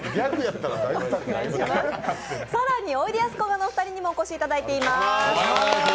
更においでやすこがのお二人にもお越しいただいています。